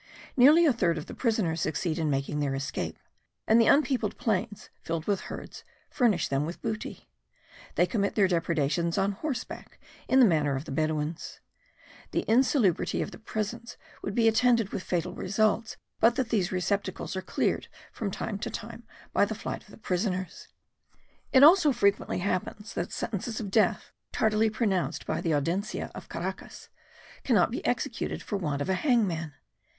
Nearly a third of the prisoners succeed in making their escape; and the unpeopled plains, filled with herds, furnish them with booty. They commit their depredations on horseback in the manner of the Bedouins. The insalubrity of the prisons would be attended with fatal results but that these receptacles are cleared from time to time by the flight of the prisoners. It also frequently happens that sentences of death, tardily pronounced by the Audiencia of Caracas, cannot be executed for want of a hangman.